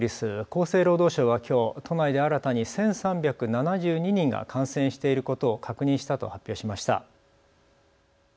厚生労働省はきょう都内で新たに１３７２人が感染していることを確認したと発表しました。